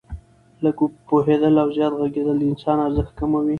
لږ پوهېدل او زیات ږغېدل د انسان ارزښت کموي.